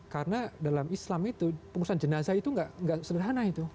karena dalam islam itu pengurusan jenazah itu tidak sederhana